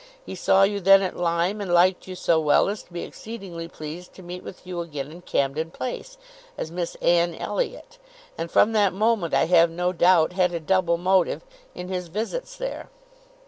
He saw you then at Lyme, and liked you so well as to be exceedingly pleased to meet with you again in Camden Place, as Miss Anne Elliot, and from that moment, I have no doubt, had a double motive in his visits there.